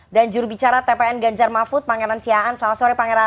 dan jurubicara tpn ganjar mahfud pangeran siaan selamat sore pangeran